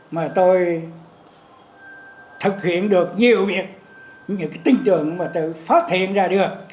mà tôi thực hiện được nhiều việc những cái tinh tường mà tôi phát hiện ra được